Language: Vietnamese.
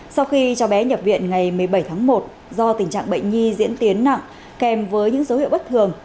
sau khi cháu bé nhập viện ngày một mươi bảy tháng một do tình trạng bệnh nhi diễn tiến nặng kèm với những dấu hiệu bất thường